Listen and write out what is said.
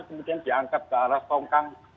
kemudian diangkat ke arah tongkang